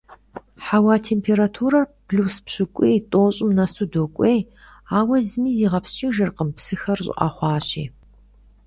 Хьэуа температурэр плюс пщӏыкӏуй–тӏощӏ нэсу докӀуей, ауэ зыми зигъэпскӀыжыркъым, псыхэр щӀыӀэ хъуащи.